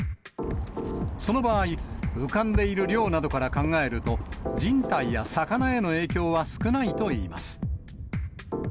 その場合、浮かんでいる量などから考えると、人体や魚への影響は少ないといいます。